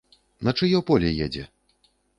На чыё поле едзе?